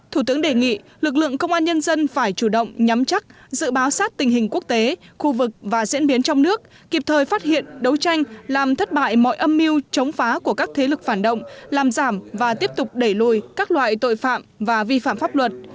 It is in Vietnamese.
thủ tướng đề nghị lực lượng công an nhân dân phải chủ động nhắm chắc dự báo sát tình hình quốc tế khu vực và diễn biến trong nước kịp thời phát hiện đấu tranh làm thất bại mọi âm mưu chống phá của các thế lực phản động làm giảm và tiếp tục đẩy lùi các loại tội phạm và vi phạm pháp luật